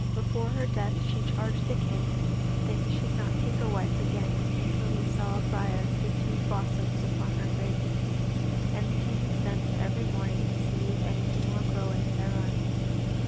Before her death she charged the king that he should not take a wife again until he saw a briar with two blossoms upon her grave, and the king sent every morning to see if anything were growing thereon.